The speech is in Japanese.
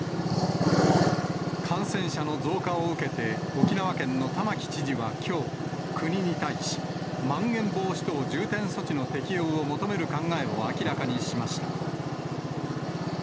感染者の増加を受けて、沖縄県の玉城知事はきょう、国に対し、まん延防止等重点措置の適用を求める考えを明らかにしました。